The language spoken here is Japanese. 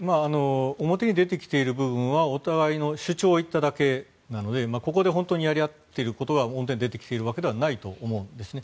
表に出てきている部分はお互いの主張を言っただけなのでここで本当にやり合っていることが表に出ているわけではないと思うんですね。